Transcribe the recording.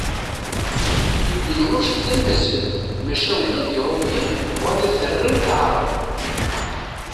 Ibn Rucd d amaziɣ maca ula d Iṛumiyen bɣan ad t-rren d aεrab.